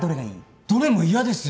どれも嫌ですよ。